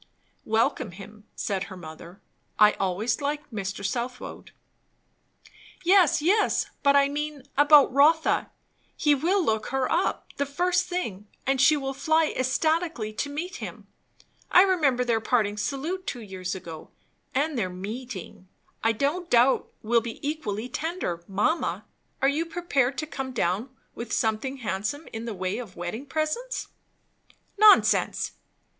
"Welcome him," said her mother. "I always liked Mr. Southwode." "Yes, yes, but I mean, about Rotha. He will look her up, the first thing; and she will fly ecstatically to meet him I remember their parting salute two years ago, and their meeting. I don't doubt, will be equally tender. Mamma, are you prepared to come down with something handsome in the way of wedding presents?" "Nonsense!"